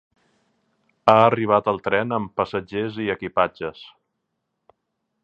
Ha arribat el tren amb passatgers i equipatges.